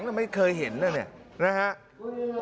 ชาร์จตัวไม้งามต้องมาอยู่ในห้องขังไม่เคยเห็นแล้วเนี่ยนะฮะ